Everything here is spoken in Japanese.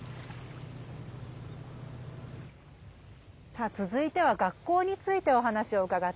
さあ続いては学校についてお話を伺っていきます。